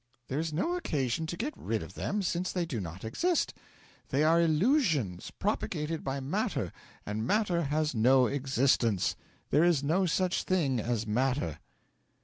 'There is no occasion to get rid of them, since they do not exist. They are illusions propagated by matter, and matter has no existence; there is no such thing as matter.'